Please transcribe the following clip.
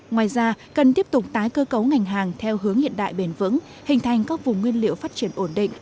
ngoài ra cần tiếp tục tái cơ cấu ngành hàng theo hướng hiện đại bền vững hình thành các vùng nguyên liệu phát triển ổn định